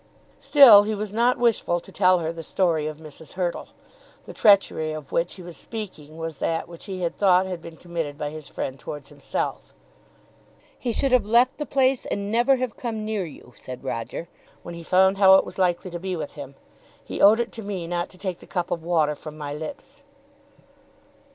Still he was not wishful to tell her the story of Mrs. Hurtle. The treachery of which he was speaking was that which he had thought had been committed by his friend towards himself. "He should have left the place and never have come near you," said Roger, "when he found how it was likely to be with him. He owed it to me not to take the cup of water from my lips."